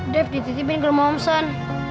dev dititipin ke rumah om san